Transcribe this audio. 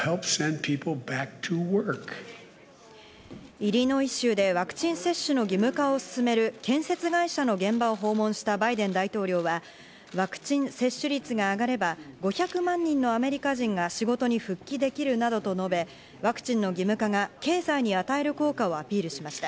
イリノイ州でワクチン接種の義務化を進める建設会社の現場を訪問したバイデン大統領は、ワクチン接種率が上がれば、５００万人のアメリカ人が仕事に復帰できるなどと述べ、ワクチンの義務化が経済に与える効果をアピールしました。